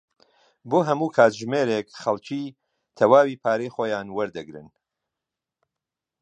بۆ هەموو کاتژمێرێک خەڵکی تەواوی پارەی خۆیان وەردەگرن.